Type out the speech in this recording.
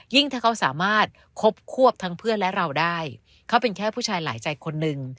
ถ้าเขาสามารถคบควบทั้งเพื่อนและเราได้เขาเป็นแค่ผู้ชายหลายใจคนหนึ่ง